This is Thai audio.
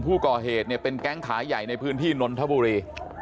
ผู้ก่อเหตุเนี่ยเป็นแก๊งขายใหญ่ในพื้นที่นนทบุรี